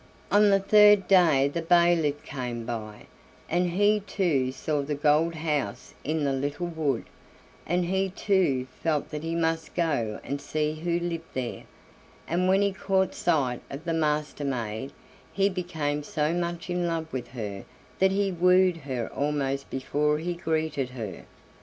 On the third day the bailiff came by, and he too saw the gold house in the little wood, and he too felt that he must go and see who lived there; and when he caught sight of the Master maid he became so much in love with her that he wooed her almost before he greeted her.